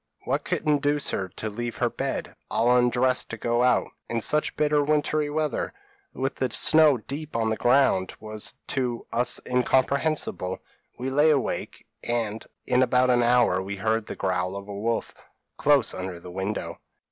p> "What could induce her to leave her bed, and all undressed to go out, in such bitter wintry weather, with the snow deep on the ground was to us incomprehensible; we lay awake, and in about an hour we heard the growl of a wolf, close under the window.